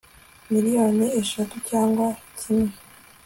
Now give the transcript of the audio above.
miliyoni eshatu cyangwa kimwe